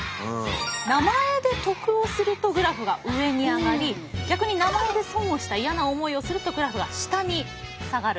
名前で得をするとグラフが上に上がり逆に名前で損をした嫌な思いをするとグラフが下に下がる。